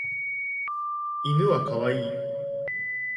犬はかわいい